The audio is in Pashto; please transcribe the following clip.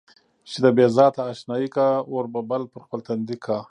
چې د بې ذاته اشنايي کا، اور به بل پر خپل تندي کا.